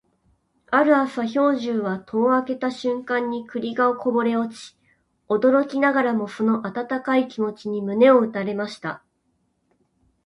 ある朝、兵十は戸を開けた瞬間に栗がこぼれ落ち、驚きながらもその温かい気持ちに胸を打たれました。